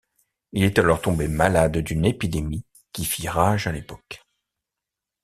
Il est alors tombé malade d'une épidémie qui fit rage à l'époque.